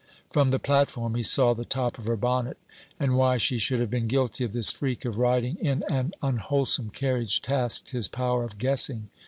From the platform he saw the top of her bonnet; and why she should have been guilty of this freak of riding in an unwholesome carriage, tasked his power of guessing.